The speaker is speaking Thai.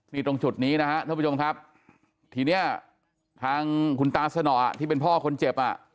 นี่ตรงจุดนี้นะฮะท่านผู้ชมครับทีเนี้ยทางคุณตาสนอที่เป็นพ่อคนเจ็บอ่ะ